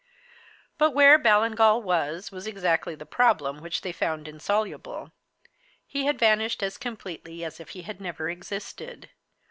But where Ballingall was, was exactly the problem which they found insoluble. He had vanished as completely as if he had never existed.